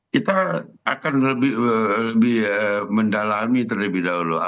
kita akan lebih mendalami terlebih dahulu